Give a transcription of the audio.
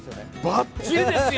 バッチリですよ！